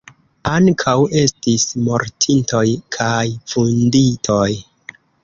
Ankaŭ estis mortintoj kaj vunditoj.